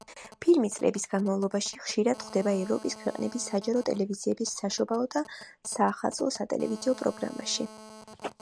ფილმი წლების განმავლობაში ხშირად ხვდება ევროპის ქვეყნების საჯარო ტელევიზიების საშობაო და საახალწლო სატელევიზიო პროგრამაში.